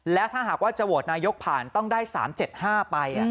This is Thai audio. และถ้าหากว่าจะโหวตนายกผ่านต้องได้๓๗๕ไป